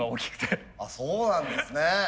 そうなんですね。